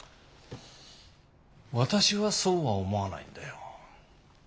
私はそうは思わないんだよ。